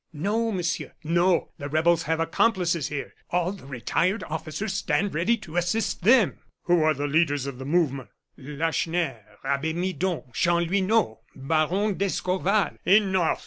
"No, Monsieur, no. The rebels have accomplices here. All the retired officers stand ready to assist them." "Who are the leaders of the movement?" "Lacheneur, Abbe Midon, Chanlouineau, Baron d'Escorval " "Enough!"